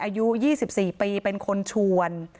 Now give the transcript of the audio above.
อายุ๒๔ปีเป็นคนชวน